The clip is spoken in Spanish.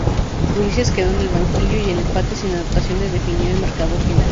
Ulises quedó en el banquillo y el empate sin anotaciones definió el marcador final.